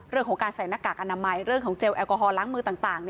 เรื่องของการใส่หน้ากากอนามัยเรื่องของเจลแอลกอฮอลล้างมือต่าง